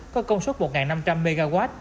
có công suất một năm trăm linh mw